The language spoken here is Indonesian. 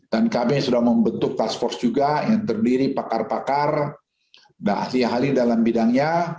dan kami sudah membentuk task force juga yang terdiri pakar pakar dan ahli ahli dalam bidangnya